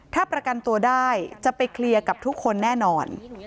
ถ้าประกันตัวได้จะไปเคลียร์กับทุกคนแน่นอน